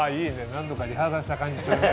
何度かリハーサルした感じするね。